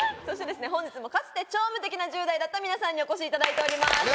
そして本日もかつて超無敵な１０代だった皆さんにお越しいただいております。